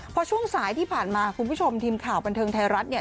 พอช่วงสายที่ผ่านมาคุณผู้ชมทีมข่าวบันเทิงไทยรัฐเนี่ย